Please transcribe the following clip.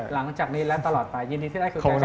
หลังจากนี้และตลอดไปยินดีที่ได้คือใคร